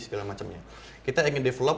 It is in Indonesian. kita ingin mengembangkan website awerzule com